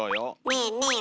ねえねえ